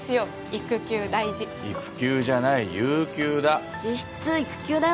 育休大事育休じゃない有給だ実質育休だよね